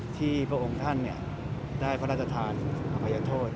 ที่พระองค์ท่านได้พระราชฌาตารณ์พระอย่างโทษ